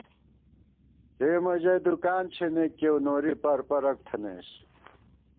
ݪېمَہ ژَئی دُکان چھېنېک کېئیؤ نوری پرپرَک تھنَئیس